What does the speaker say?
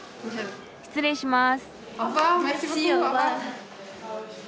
失礼します。